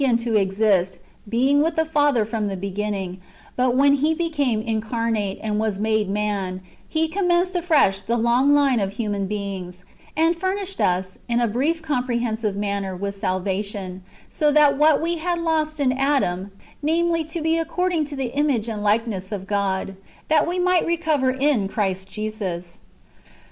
bemn to exist, beino; with the Father from the becrinnino; ; but when He became incarnate, and was made man, He commenced afresh^ the long line of human beings, and fur nished us, in a brief, comprehensive manner, with salvation ; so that what we had lost in Adam — namely, to be according to the image and likeness of God — that we might recover in Christ Jesus.